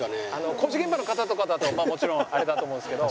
工事現場の方とかだともちろんあれだと思うんですけどはい。